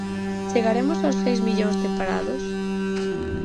Chegaremos ao seis millóns de parados?